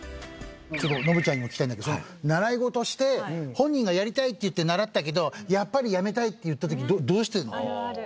ノブちゃんにも聞きたいんだけど習い事して本人が「やりたい」って言って習ったけど「やっぱりやめたい」って言った時どうしてるの？